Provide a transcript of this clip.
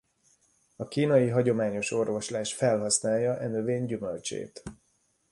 A kínai hagyományos orvoslás felhasználja e növény gyümölcsét.